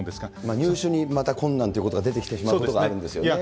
入手にまた困難ということが出てきてしまうことがあるんですそうですね。